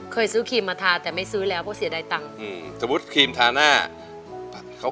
เคยซื้อครีมมาทาแต่ไม่ซื้อแล้วเพราะเสียดายตังค์อืมสมมุติครีมทาหน้าตัดเขา